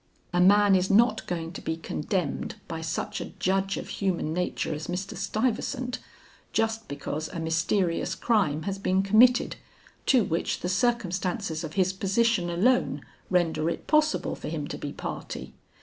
A man is not going to be condemned by such a judge of human nature as Mr. Stuyvesant, just because a mysterious crime has been committed, to which the circumstances of his position alone render it possible for him to be party.